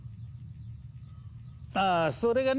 ああそれがね